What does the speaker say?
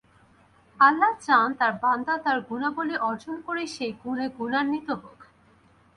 আল্লাহ চান তাঁর বান্দা তাঁর গুণাবলি অর্জন করে সেই গুণে গুণান্বিত হোক।